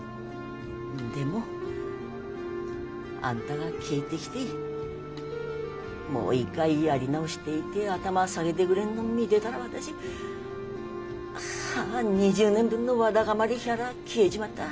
でもあんたが帰ってきて「もう一回やり直してえ」って頭下げでくれるの見でだら私はあ２０年分のわだかまりひゃら消えちまった。